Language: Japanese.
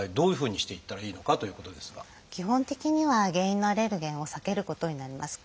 基本的には原因のアレルゲンを避けることになります。